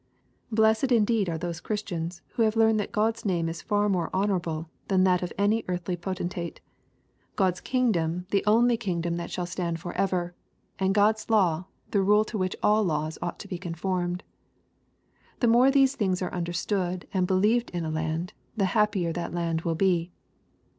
Blessed indeed are those Christians who have learned that God's name is far more honorable than that of any earthly potentate, — God's kingdom the only 4 EXPOSITORY THOUGHTS. kingdom that shall stand forever, — and God's law the rule to which all laws ought to be conformed I The more these things are understood and believed in a land, the happier that land will be.